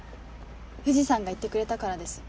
藤さんが言ってくれたからです。